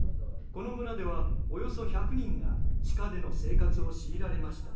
この村では、およそ１００人が地下での生活を強いられました。